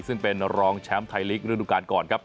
ซึ่งเป็นรองแชมป์ไทยลีกฤดูการก่อนครับ